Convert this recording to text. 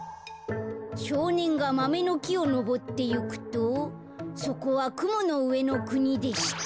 「しょうねんがマメのきをのぼっていくとそこはくものうえのくにでした」。